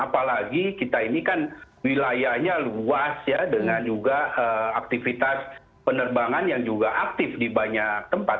apalagi kita ini kan wilayahnya luas ya dengan juga aktivitas penerbangan yang juga aktif di banyak tempat